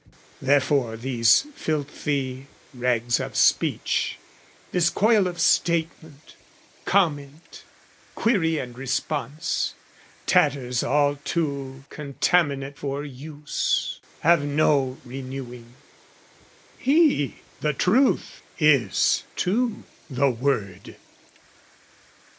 Therefore this filthy rags of speech, this coil Of statement, comment, query and response, Tatters all too contaminate for use, Have no renewing: He, the Truth, is, too, The Word.